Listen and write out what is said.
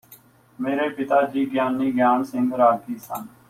ਮੇਰੇ ਪਿਤਾ ਜੀ ਗਿਆਨੀ ਗਿਆਨ ਸਿੰਘ ਰਾਗੀ ਸਨ